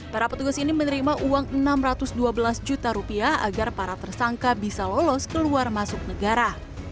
para petugas ini menerima uang rp enam ratus dua belas juta rupiah agar para tersangka bisa lolos keluar masuk negara